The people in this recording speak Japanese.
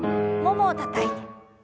ももをたたいて。